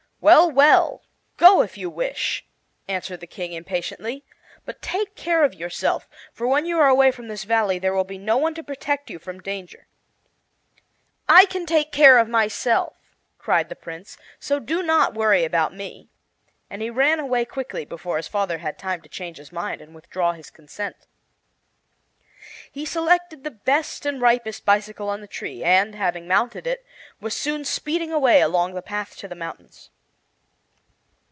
"Well, well! go if you wish," answered the King, impatiently. "But take care of yourself, for when you are away from this Valley there will be no one to protect you from danger." "I can take care of myself," cried the Prince, "so do not worry about me," and he ran away quickly, before his father had time to change his mind and withdraw his consent. He selected the best and ripest bicycle on the tree, and, having mounted it, was soon speeding away along the path to the mountains.